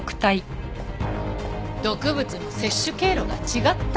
毒物の摂取経路が違った？